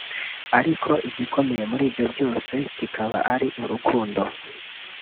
Ariko igikomeye muri byose kikaba ari urukundo